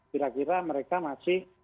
kira kira mereka masih